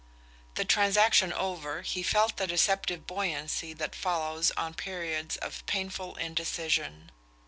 The transaction over, he felt the deceptive buoyancy that follows on periods of painful indecision.